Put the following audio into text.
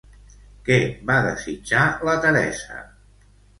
Què va desitjar la Teresa?